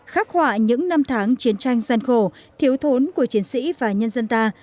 khắc họa những năm tháng chiến tranh gian khổ thiếu thốn của chiến sĩ và nhân dân ta